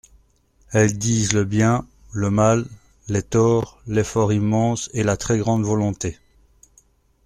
Elles disent le bien, le mal, les torts, l'effort immense et la très grande volonté.